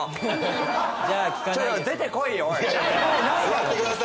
座ってください。